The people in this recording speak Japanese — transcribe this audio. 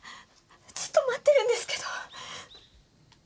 ずっと待ってるんですけど。